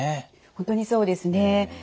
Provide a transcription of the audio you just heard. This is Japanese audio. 本当にそうですね。